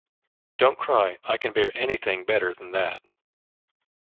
Don't cry, I can bear anything better than that.